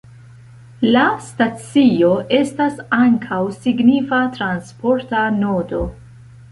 La stacio estas ankaŭ signifa transporta nodo.